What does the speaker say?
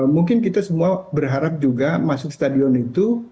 mungkin kita semua berharap juga masuk stadion itu